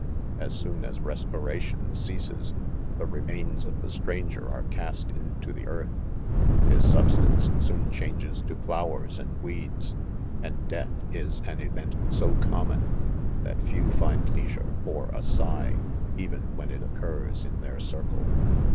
(o) As soon as respiration ceases the •emalns of the stranger are cast into the earth* lis substance soon changes to flowers and veeds 3 and death is an event so common, that ew find leisure for a sigh even when it oc curs in their circle.